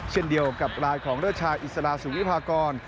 เช่นเดียวกับลายของเลิศชายอิสลาสุวิพากร